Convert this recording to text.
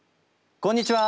こんにちは。